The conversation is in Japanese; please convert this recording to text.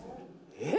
「えっ？」